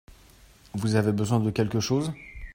Vous avez besoin de quelque chose ?